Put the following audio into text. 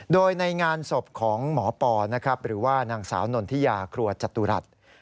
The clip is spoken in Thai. โดยในงานศพของหมอปอนะครับหรือว่านางสาวนนทิยาครัวจตุรัส